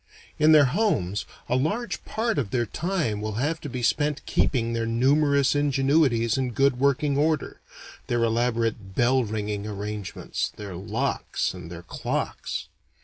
In their homes a large part of their time will have to be spent keeping their numerous ingenuities in good working order their elaborate bell ringing arrangements, their locks and their clocks.